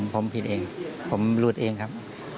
ผมผิดเองผมหลุดเองครับ